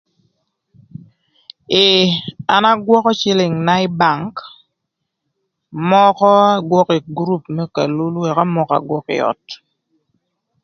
Ee, an agwökö cïlïngna ï bank, mökö agwökö ï grup më kalulu ëka mökö agwökö ï öt.